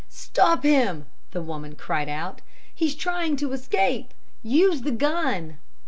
'Stop him,' the woman cried out, 'he's trying to escape. Use the gun.'